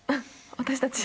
「私たち」